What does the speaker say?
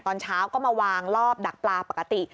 ตอนเช้าก็มาวางรอบดักปลาปกติ